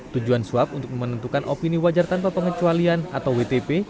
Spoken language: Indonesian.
tujuan suap untuk menentukan opini wajar tanpa pengecualian atau wtp